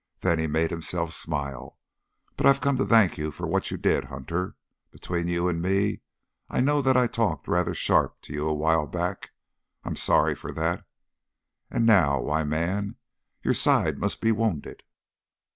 Then he made himself smile. "But I've come to thank you for what you did, Hunter. Between you and me, I know that I talked rather sharp to you a while back. I'm sorry for that. And now why, man, your side must be wounded!"